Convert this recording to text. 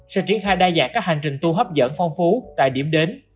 sẽ triển khai đa dạng các hành trình tu hấp dẫn phong phú tại điểm đến